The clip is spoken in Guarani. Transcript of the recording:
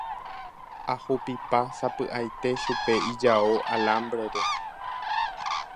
Ahupipa sapy'aite chupe ijao alambre-re.